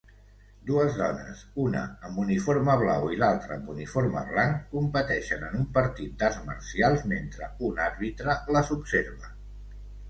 Dues dones, una amb uniforme blau i l'altra amb uniforme blanc, competeixen en un partit d'arts marcials mentre un àrbitre les observa